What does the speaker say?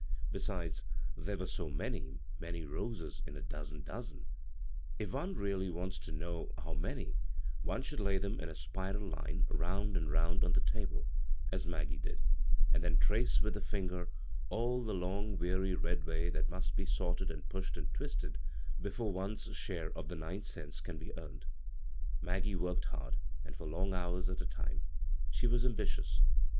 Besides, there were so many, many roses in a dozen dozen I If (»ie really "7 b, Google CROSS CURRENTS wants to know how many, one should lay them in a spiral line round and round on the table, as Maggie did, and then trace with the finger all the long weary red way that must be sorted and pushed and twisted before one's share of the nine cents can be earned. Maggie worked hard, and for long houis at a time. She was ambitious.